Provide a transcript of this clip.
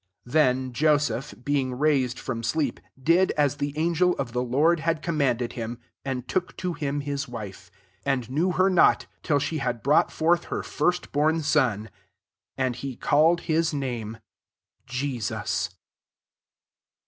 24 Then, Joseph, be^ &tg raised from sleep, did as the ttngel of the Lord had commanded fdm, and took to him his w(fe ; 25 and knew her not till she had brought forth her frst bom son ; and he coiled his name Jesus.